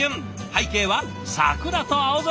背景は桜と青空。